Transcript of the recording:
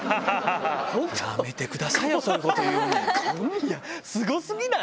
やめてくださいよ、そういういや、すごすぎない？